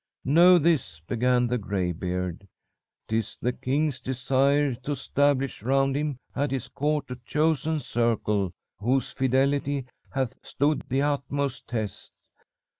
"'Know this,' began the graybeard. ''Tis the king's desire to 'stablish round him at his court a chosen circle whose fidelity hath stood the utmost test.